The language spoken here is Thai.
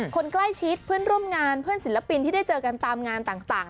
คนใกล้ชิดเพื่อนร่วมงานเพื่อนศิลปินที่ได้เจอกันตามงานต่าง